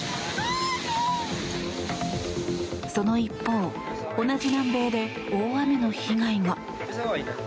その一方、同じ南米で大雨の被害が。